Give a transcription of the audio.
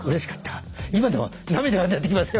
今でも涙が出てきますよ